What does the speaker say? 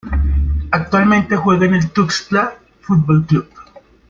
Actualmente juega en el Tuxtla Fútbol Club.